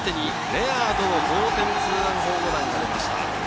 レアードの同点ツーランホームランが出ました。